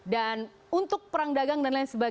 dan untuk perang dagang kita kita harus berusaha